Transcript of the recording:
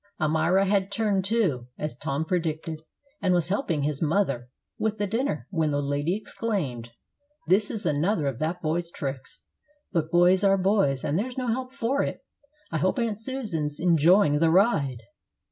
Almira had "turned to," as Tom predicted, and was helping his mother with the dinner, when that lady exclaimed: "This is another of that boy's tricks; but boys are boys, and there's no help for it. I hope Aunt Susan's enjoying the ride."